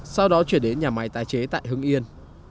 sau đó chuyển đến nhà máy tái chế tại hưng yên